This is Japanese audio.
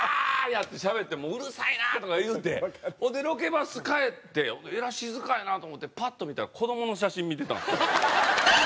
やってしゃべって「もううるさいな！」とか言うてほんでロケバス帰ってえらい静かやなと思ってパッと見たら子どもの写真見てたんですよ。